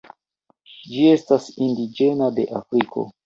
Ĝi estas indiĝena de Afriko.